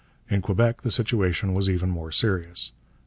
In Quebec the situation was even more serious.